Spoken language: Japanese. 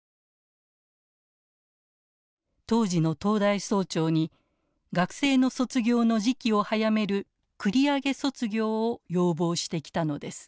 当時の東大総長に学生の卒業の時期を早める繰り上げ卒業を要望してきたのです。